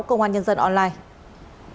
công an nhân dân online